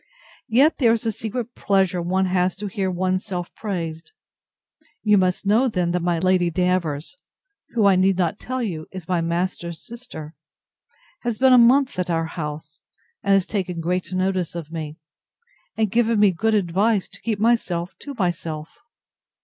Yet there is a secret pleasure one has to hear one's self praised. You must know, then, that my Lady Davers, who, I need not tell you, is my master's sister, has been a month at our house, and has taken great notice of me, and given me good advice to keep myself to myself.